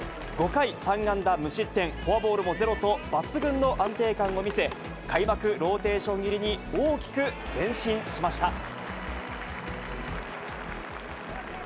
５回３安打無失点、フォアボールもゼロと、抜群の安定感を見せ、開幕ローテーション入りに大きく前進しました。